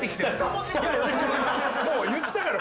もう言ったから！